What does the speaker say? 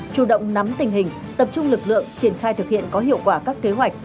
chủ động nắm tình hình tập trung lực lượng triển khai thực hiện có hiệu quả các kế hoạch